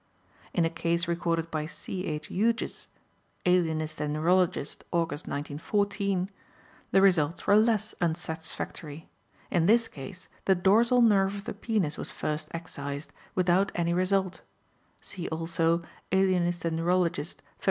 In a case recorded by C.H. Hughes (Alienist and Neurologist, Aug., 1914) the results were less unsatisfactory; in this case the dorsal nerve of the penis was first excised, without any result (see also Alienist and Neurologist, Feb.